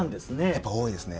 やっぱ多いですね。